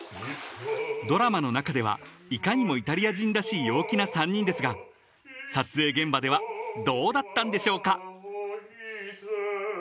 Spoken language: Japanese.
［ドラマの中ではいかにもイタリア人らしい陽気な３人ですが撮影現場ではどうだったんでしょうか？］